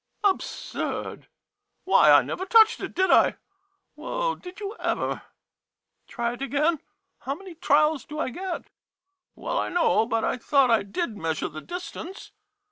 ] Absurd ! Why, I never touched it, did I ? Well, did you ever? Try it again? How many trials do I get? Well, I know, but I thought I did measure the distance.